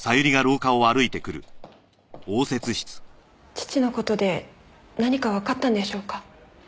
父の事で何かわかったんでしょうか？